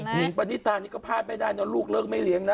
หิงปณิตานี่ก็พลาดไม่ได้นะลูกเลิกไม่เลี้ยงนะ